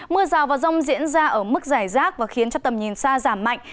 mưa rào và rông diễn ra ở mức giải rác và khiến cho tầm nhìn xa giảm mạnh